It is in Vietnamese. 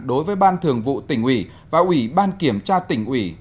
đối với ban thường vụ tỉnh ủy và ủy ban kiểm tra tỉnh ủy